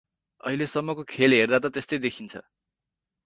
अहिले सम्मको खेल हेर्दा त त्यस्तै देखिन्छ ।